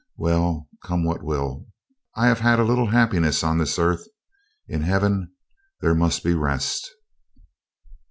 Well, come what will, I have had a little happiness on this earth. In heaven there must be rest.'